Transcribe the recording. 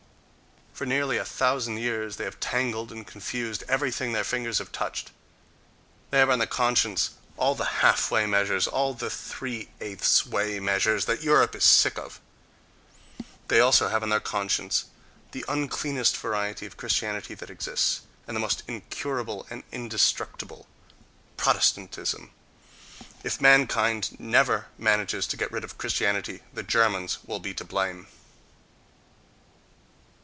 For nearly a thousand years they have tangled and confused everything their fingers have touched; they have on their conscience all the half way measures, all the three eighths way measures, that Europe is sick of,—they also have on their conscience the uncleanest variety of Christianity that exists, and the most incurable and indestructible—Protestantism.... If man kind never manages to get rid of Christianity the Germans will be to blame....